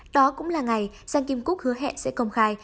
đó cũng là ngày san kim cúc hứa hẹn sẽ công khai